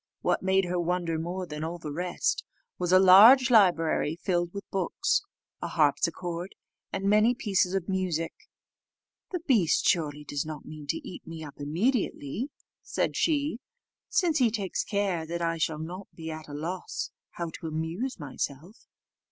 What made her wonder more than all the rest, was a large library filled with books, a harpsichord, and many pieces of music. "The beast surely does not mean to eat me up immediately," said she, "since he takes care I shall not be at a loss how to amuse myself."